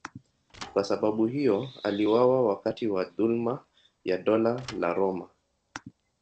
Kwa sababu hiyo aliuawa wakati wa dhuluma ya Dola la Roma.